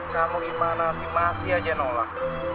kamu gimana sih masih aja nolak